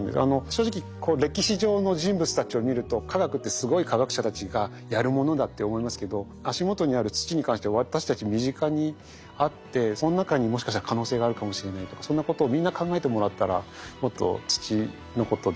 正直歴史上の人物たちを見ると科学ってすごい科学者たちがやるものだって思いますけど足元にある土に関して私たち身近にあってその中にもしかしたら可能性があるかもしれないとかそんなことをみんな考えてもらったらもっと土のことでみんなでワクワクできるかなと思います。